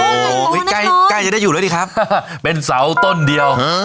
โอ้โหใกล้ใกล้จะได้อยู่แล้วดีครับเป็นเสาต้นเดียว